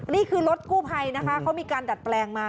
นี่คือรถกู้ภัยนะคะเขามีการดัดแปลงมา